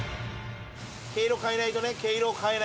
毛色変えないとね毛色を変えないと。